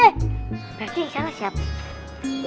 berarti salah siapa